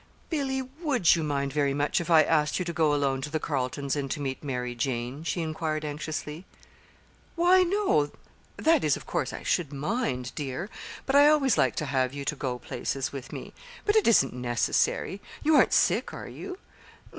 "Billy, would you mind very much if I asked you to go alone to the Carletons' and to meet Mary Jane?" she inquired anxiously. "Why, no that is, of course I should mind, dear, because I always like to have you go to places with me. But it isn't necessary. You aren't sick; are you?"